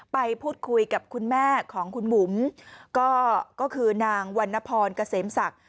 ไปพูดคุยกับคุณแม่ของคุณบุ๋มก็คือนางวันนพรเกษมศักดิ์